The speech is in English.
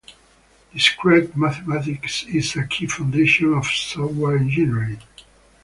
Discrete mathematics is a key foundation of software engineering.